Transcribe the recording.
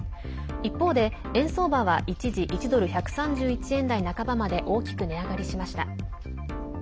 一方で円相場は一時１ドル＝１３１円台半ばまで大きく値上がりしました。